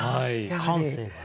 感性がね。